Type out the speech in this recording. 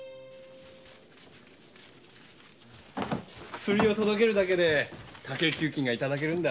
薬を届けるだけで高い給金がいただけるんだ。